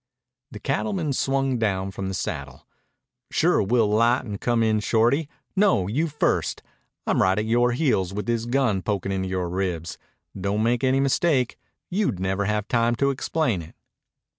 The cattleman swung down from the saddle. "Sure we'll 'light and come in, Shorty. No, you first. I'm right at yore heels with this gun pokin' into yore ribs. Don't make any mistake. You'd never have time to explain it."